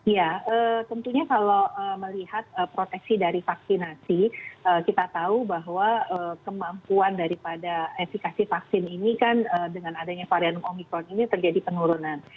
ya tentunya kalau melihat proteksi dari vaksinasi kita tahu bahwa kemampuan daripada efekasi vaksin ini kan dengan adanya varian omikron ini terjadi penurunan